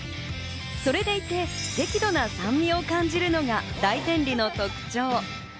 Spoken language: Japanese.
それでいて適度な酸味を感じるのが大天梨の特徴。